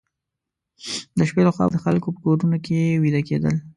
د شپې لخوا به د خلکو په کورونو کې ویده کېدل.